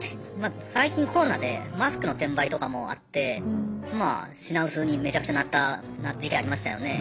最近コロナでマスクの転売とかもあってまあ品薄にめちゃくちゃなった時期ありましたよね。